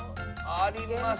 あります。